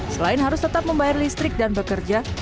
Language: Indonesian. selain harus tetap membayar listrik dan bekerja